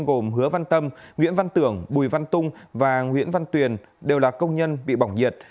gồm hứa văn tâm nguyễn văn tưởng bùi văn tung và nguyễn văn tuyền đều là công nhân bị bỏng nhiệt